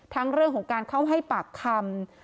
เรื่องของการเข้าให้ปากคำ